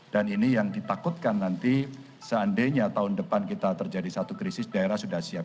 dan ini yang ditakutkan nanti seandainya tahun depan kita terjadi satu krisis daerah sudah siap